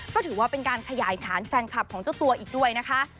ก็ถือว่าเป็นการขยายฐานแฟนคลับของเจ้าตัวอีกด้วยนะคะ